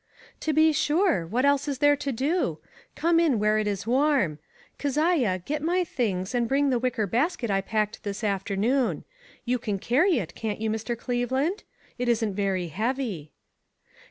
"To be sure. What else is there to do? Come in where it is warm. Keziah, gel my things, and bring the wicker basket I packed this afternoon. You can carry it, can't you, Mr. Cleveland? It isn't very heavy.